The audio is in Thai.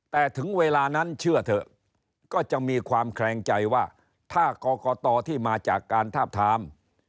แต่ถึงเวลานั้นเชื่อเถอะก็จะมีความแคลงใจว่าถ้ากรกตที่มาจากการทาบทาม